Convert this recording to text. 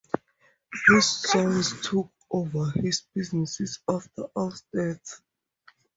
His sons took over his businesses after Aw's death.